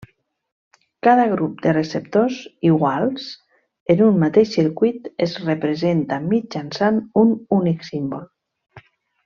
Cada grup de receptors iguals en un mateix circuit es representa mitjançant un únic símbol.